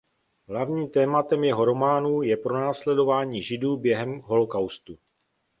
Hlavním tématem jeho románů je pronásledování Židů během holocaustu.